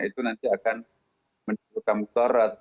itu nanti akan menimbulkan muktarat